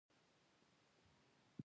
پیاله له شرنګ سره ژوند لري.